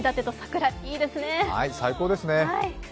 最高ですね。